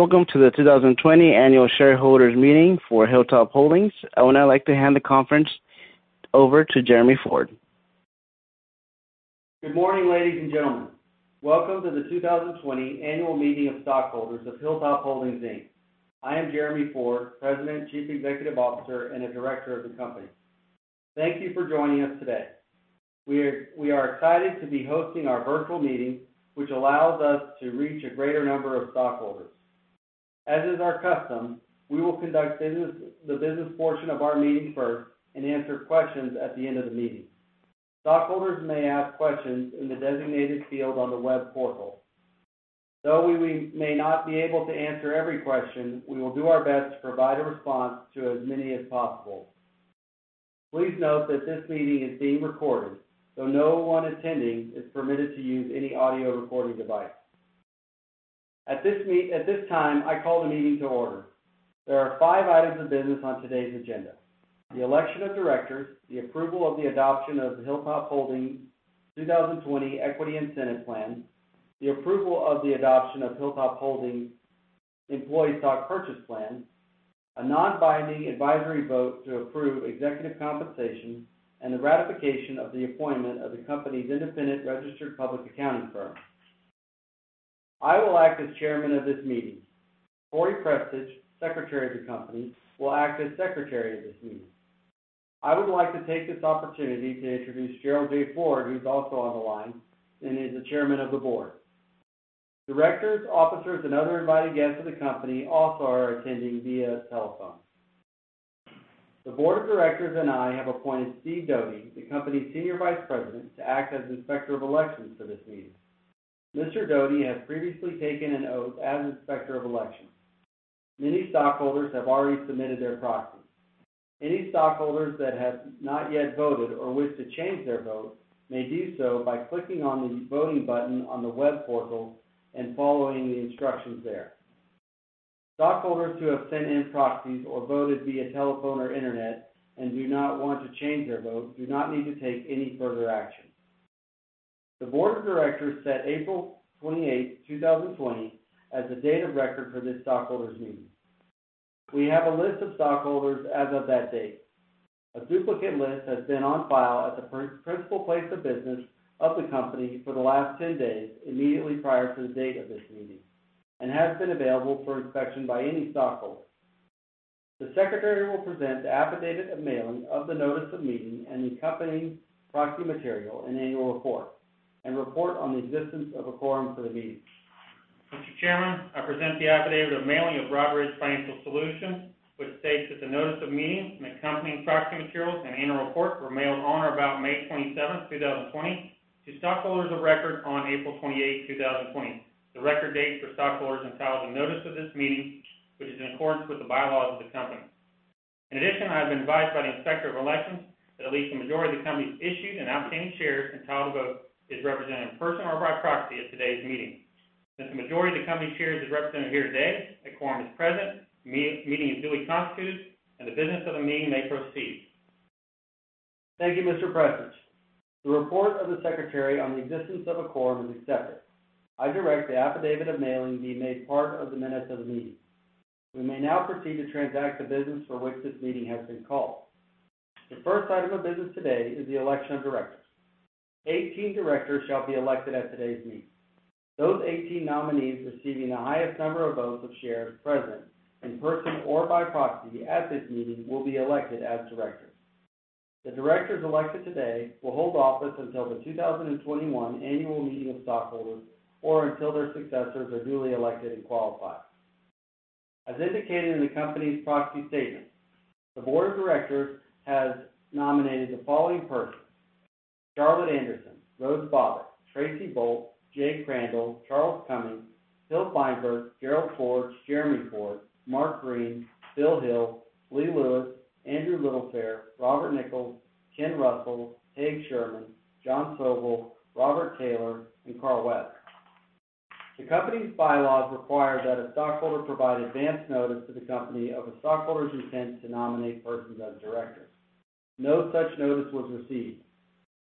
Welcome to the 2020 annual shareholders meeting for Hilltop Holdings. I would now like to hand the conference over to Jeremy Ford. Good morning, ladies and gentlemen. Welcome to the 2020 annual meeting of stockholders of Hilltop Holdings Inc. I am Jeremy Ford, President, Chief Executive Officer, and a director of the company. Thank you for joining us today. We are excited to be hosting our virtual meeting, which allows us to reach a greater number of stockholders. As is our custom, we will conduct the business portion of our meeting first and answer questions at the end of the meeting. Stockholders may ask questions in the designated field on the web portal. Though we may not be able to answer every question, we will do our best to provide a response to as many as possible. Please note that this meeting is being recorded, so no one attending is permitted to use any audio recording device. At this time, I call the meeting to order. There are five items of business on today's agenda. The election of directors, the approval of the adoption of the Hilltop Holdings Inc. 2020 Equity Incentive Plan, the approval of the adoption of Hilltop Holdings Inc. Employee Stock Purchase Plan, a non-binding advisory vote to approve executive compensation, and the ratification of the appointment of the company's independent registered public accounting firm. I will act as chairman of this meeting. Corey Prestidge, secretary of the company, will act as secretary of this meeting. I would like to take this opportunity to introduce Gerald J. Ford, who's also on the line and is the Chairman of the Board. Directors, officers, and other invited guests of the company also are attending via telephone. The board of directors and I have appointed Steve Doty, the company's Senior Vice President, to act as Inspector of Elections for this meeting. Mr. Doty has previously taken an oath as Inspector of Elections. Many stockholders have already submitted their proxies. Any stockholders that have not yet voted or wish to change their vote may do so by clicking on the voting button on the web portal and following the instructions there. Stockholders who have sent in proxies or voted via telephone or internet and do not want to change their vote do not need to take any further action. The board of directors set April 28th, 2020, as the date of record for this stockholders meeting. We have a list of stockholders as of that date. A duplicate list has been on file at the principal place of business of the company for the last 10 days immediately prior to the date of this meeting and has been available for inspection by any stockholder. The secretary will present the affidavit of mailing of the notice of meeting and the accompanying proxy material and annual report and report on the existence of a quorum for the meeting. Mr. Chairman, I present the affidavit of mailing of Broadridge Financial Solutions, which states that the notice of meeting and accompanying proxy materials and annual report were mailed on or about May 27th, 2020 to stockholders of record on April 28th, 2020, the record date for stockholders entitled to notice of this meeting, which is in accordance with the bylaws of the company. In addition, I have been advised by the Inspector of Elections that at least a majority of the company's issued and outstanding shares entitled to vote is represented in person or by proxy at today's meeting. Since the majority of the company's shares is represented here today, a quorum is present, the meeting is duly constituted, and the business of the meeting may proceed. Thank you, Mr. Prestidge. The report of the Secretary on the existence of a quorum is accepted. I direct the affidavit of mailing be made part of the minutes of the meeting. We may now proceed to transact the business for which this meeting has been called. The first item of business today is the election of directors. 18 directors shall be elected at today's meeting. Those 18 nominees receiving the highest number of votes of shares present, in person or by proxy at this meeting, will be elected as directors. The directors elected today will hold office until the 2021 annual meeting of stockholders or until their successors are duly elected and qualified. As indicated in the company's proxy statement, the board of directors has nominated the following persons: Charlotte Anderson, Rhodes Bobbitt, Tracy Bolt, Jay Crandall, Charles Cummings, Hill Feinberg, Gerald Ford, Jeremy Ford, Mark Green, Bill Hill, Lee Lewis, Andrew Littlefair, Robert Nichols, Ken Russell, Peg Sherman, John Sobel, Robert Taylor, and Carl Webb. The company's bylaws require that a stockholder provide advanced notice to the company of a stockholder's intent to nominate persons as directors. No such notice was received.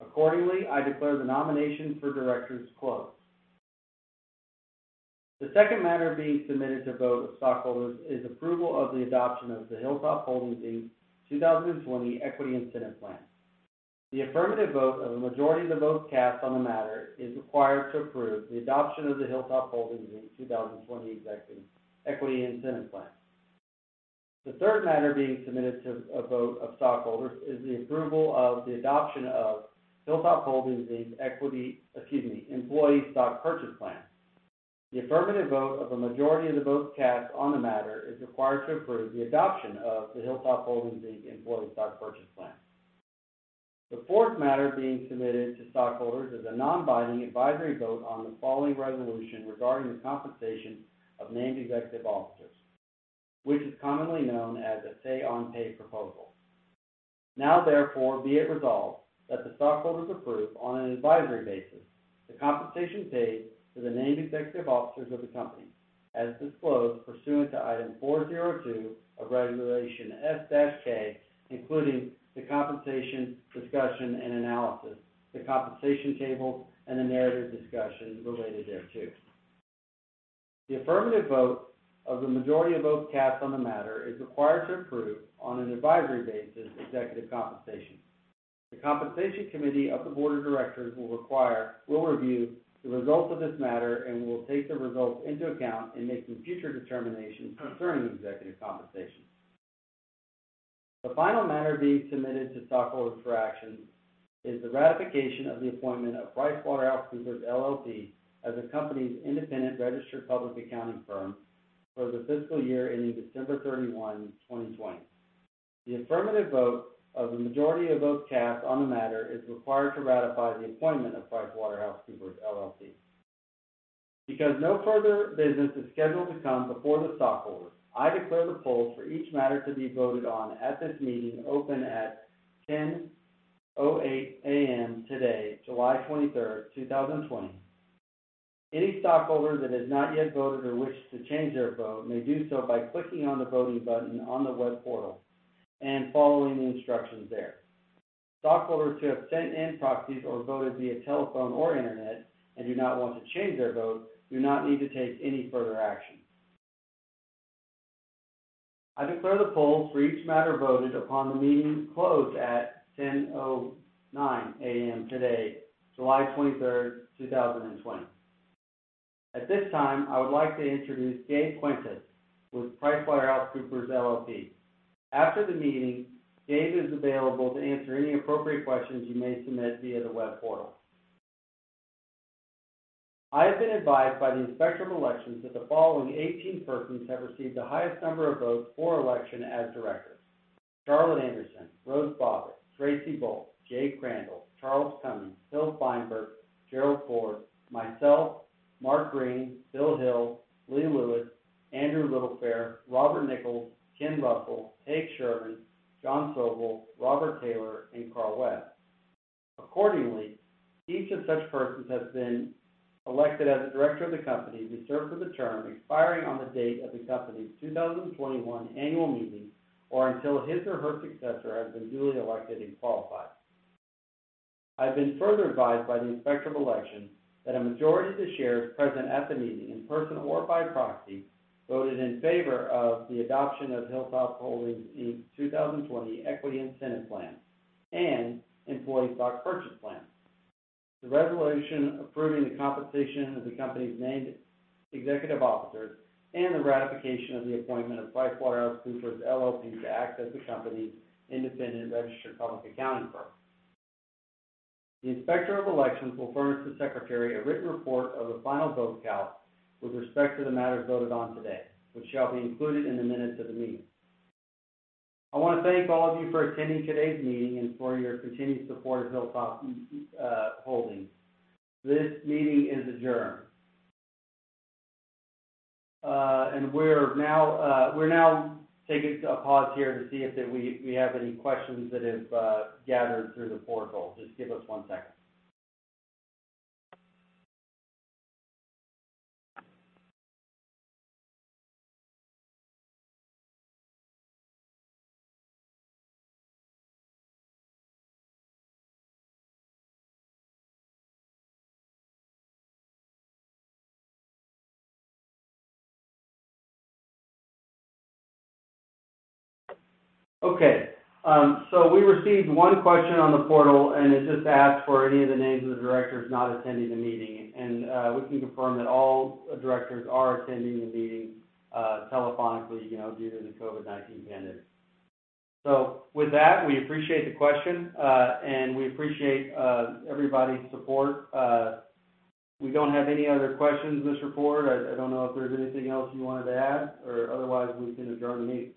Accordingly, I declare the nomination for directors closed. The second matter being submitted to vote of stockholders is approval of the adoption of the Hilltop Holdings, Inc. 2020 Equity Incentive Plan. The affirmative vote of a majority of the votes cast on the matter is required to approve the adoption of the Hilltop Holdings, Inc. 2020 Equity Incentive Plan. The third matter being submitted to a vote of stockholders is the approval of the adoption of Hilltop Holdings Inc. Employee Stock Purchase Plan. The affirmative vote of a majority of the votes cast on the matter is required to approve the adoption of the Hilltop Holdings Inc. Employee Stock Purchase Plan. The fourth matter being submitted to stockholders is a non-binding advisory vote on the following resolution regarding the compensation of named executive officers, which is commonly known as a say on pay proposal. Now, therefore, be it resolved that the stockholders approve on an advisory basis the compensation paid to the named executive officers of the company as disclosed pursuant to Item 402 of Regulation S-K, including the compensation discussion and analysis, the compensation table, and the narrative discussion related thereto. The affirmative vote of the majority of votes cast on the matter is required to approve, on an advisory basis, executive compensation. The compensation committee of the board of directors will review the results of this matter and will take the results into account in making future determinations concerning executive compensation. The final matter being submitted to stockholders for action is the ratification of the appointment of PricewaterhouseCoopers LLP as the company's independent registered public accounting firm for the fiscal year ending December 31st, 2020. The affirmative vote of the majority of votes cast on the matter is required to ratify the appointment of PricewaterhouseCoopers LLP. Because no further business is scheduled to come before the stockholders, I declare the polls for each matter to be voted on at this meeting open at 10:08 A.M. today, July 23rd, 2020. Any stockholder that has not yet voted or wishes to change their vote may do so by clicking on the voting button on the web portal and following the instructions there. Stockholders who have sent in proxies or voted via telephone or internet and do not want to change their vote do not need to take any further action. I declare the polls for each matter voted upon the meeting closed at 10:09 A.M. today, July 23rd, 2020. At this time, I would like to introduce Gabe Quintas with PricewaterhouseCoopers LLP. After the meeting, Gabe is available to answer any appropriate questions you may submit via the web portal. I have been advised by the Inspector of Elections that the following 18 persons have received the highest number of votes for election as directors: Charlotte Anderson, Rhodes Bobbitt, Tracy Bolt, Jay Crandall, Charles Cummings, Hill Feinberg, Gerald Ford, myself, Mark Green, Bill Hill, Lee Lewis, Andrew Littlefair, Robert Nichols, Ken Russell, Haag Sherman, John Sobel, Robert Taylor, and Carl Webb. Accordingly, each of such persons has been elected as a director of the company to serve for the term expiring on the date of the company's 2021 annual meeting, or until his or her successor has been duly elected and qualified. I've been further advised by the Inspector of Elections that a majority of the shares present at the meeting, in person or by proxy, voted in favor of the adoption of Hilltop Holdings Inc. 2020 Equity Incentive Plan and Employee Stock Purchase Plan, the resolution approving the compensation of the company's named executive officers, and the ratification of the appointment of PricewaterhouseCoopers LLP to act as the company's independent registered public accounting firm. The Inspector of Elections will furnish the Secretary a written report of the final vote count with respect to the matters voted on today, which shall be included in the minutes of the meeting. I want to thank all of you for attending today's meeting and for your continued support of Hilltop Holdings. This meeting is adjourned. We're now taking a pause here to see if we have any questions that have gathered through the portal. Just give us one second. Okay. We received one question on the portal, and it just asked for any of the names of the directors not attending the meeting. We can confirm that all directors are attending the meeting telephonically due to the COVID-19 pandemic. With that, we appreciate the question, and we appreciate everybody's support. We don't have any other questions, Mr. Ford. I don't know if there's anything else you wanted to add, or otherwise, we can adjourn the meeting.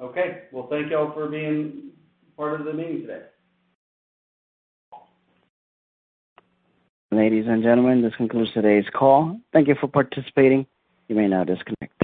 Okay. Well, thank you all for being part of the meeting today. Ladies and gentlemen, this concludes today's call. Thank you for participating. You may now disconnect.